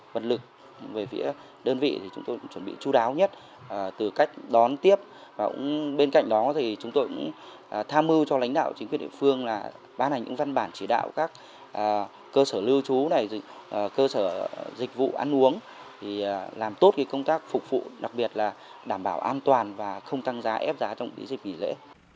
về phía đơn vị thì chúng tôi chuẩn bị chú đáo nhất từ cách đón tiếp và bên cạnh đó thì chúng tôi tham mưu cho lãnh đạo chính quyền địa phương là ban hành những văn bản chỉ đạo các cơ sở lưu trú này cơ sở dịch vụ ăn uống làm tốt công tác phục vụ đặc biệt là đảm bảo an toàn và không tăng giá ép giá trong dịch vụ dễ